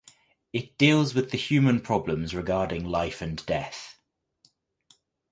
It deals with the human problems regarding life and death.